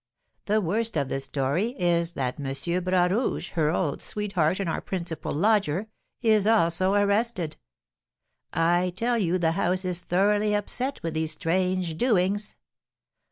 The worst of the story is that M. Bras Rouge, her old sweetheart and our principal lodger, is also arrested. I tell you the house is thoroughly upset with these strange doings."